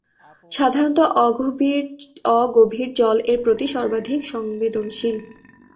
সাধারণত অগভীর জল এর প্রতি সর্বাধিক সংবেদনশীল।